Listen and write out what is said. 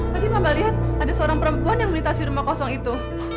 tadi mbak mbak lihat ada seorang perempuan yang menitasi rumah kosong itu